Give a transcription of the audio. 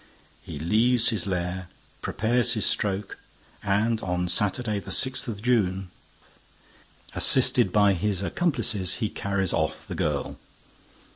He leaves his lair, prepares his stroke and, on Saturday the sixth of June, assisted by his accomplices, he carries off the girl.